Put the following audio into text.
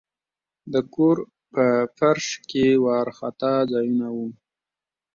د کور په فرش کې وارخطا ځایونه وو.